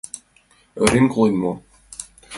Орен колен мо?